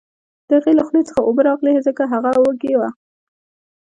د هغې له خولې څخه اوبه راغلې ځکه هغه وږې وه